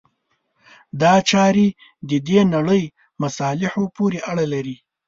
دا چارې د دې نړۍ مصالحو پورې اړه لري.